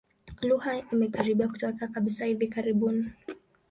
Lugha imekaribia kutoweka kabisa hivi karibuni.